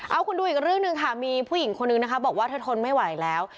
เอาคุณดูอีกเรื่องหนึ่งค่ะมีผู้หญิงคนนึงนะคะบอกว่าเธอทนไม่ไหวแล้ว